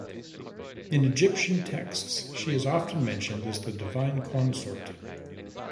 In Egyptian texts she is often mentioned as the divine consort.